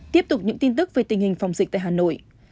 tiếp tục những tin tức về tình hình phòng dịch tại hà nội